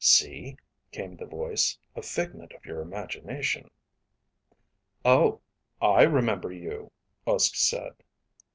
"See," came the voice. "A figment of your imagination." "Oh, I remember you," Uske said.